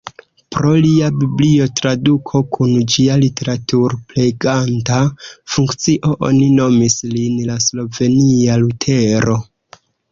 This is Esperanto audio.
Pro lia biblio-traduko kun ĝia literatur-preganta funkcio oni nomis lin "la slovenia Lutero".